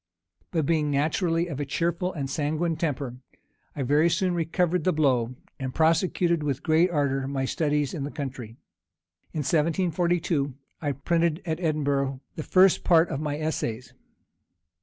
But being naturally of a cheerful and sanguine temper, I very soon recovered the blow, and prosecuted with great ardor my studies in the country. In 1742, I printed at Edinburgh the first part of my Essays.